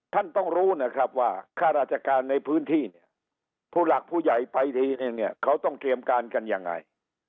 ท่านต้องรู้นะครับว่าข้าราชการในพื้นที่เนี่ยผู้หลักผู้ใหญ่ไปทีนึงเนี่ยเขาต้องเตรียมการกันยังไง